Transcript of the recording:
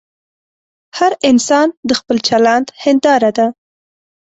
هر انسان د خپل چلند هنداره ده.